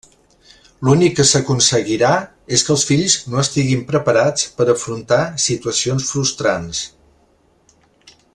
L'únic que s'aconseguirà és que els fills no estiguin preparats per afrontar situacions frustrants.